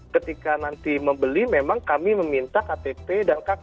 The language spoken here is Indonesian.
ketika nanti membeli memang kami meminta ktp dan kk